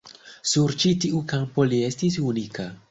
Sur ĉi tiu kampo li estis unika.